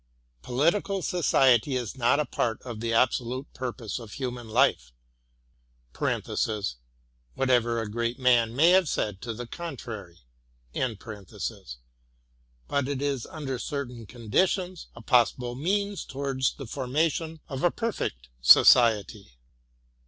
Political Society ia not a part of the absolute purpose of human life (what sit man may have said to the contrary); but it is, under certain conditions, a possible means towards the for on of a perfect Society.